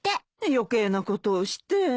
余計なことをして。